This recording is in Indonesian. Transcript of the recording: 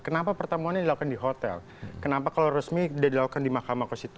kenapa pertemuan ini dilakukan di hotel kenapa kalau resmi tidak dilakukan di mk